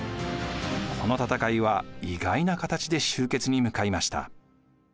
この戦いは意外な形で終結に向かいました。